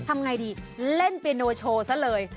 ทำไงดีเล่นเปียโนโชว์ซะเลย